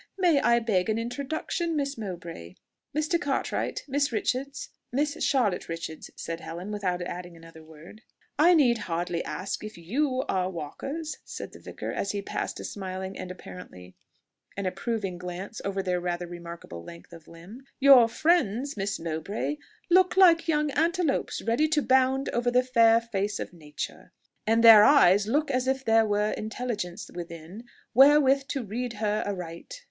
May I beg an introduction, Miss Mowbray?" "Mr. Cartwright, Miss Richards Miss Charlotte Richards," said Helen, without adding another word. "I need hardly ask if you are walkers," said the vicar, as he passed a smiling and apparently an approving glance over their rather remarkable length of limb. "Your friends, Miss Mowbray, look like young antelopes ready to bound over the fair face of Nature; and their eyes look as if there were intelligence within wherewith to read her aright."